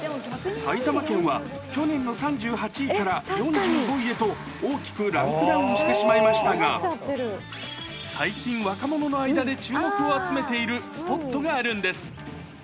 埼玉県は、去年の３８位から４５位へと、大きくランクダウンしてしまいましたが、最近、若者の間で注目を集めているスポットがあるんです。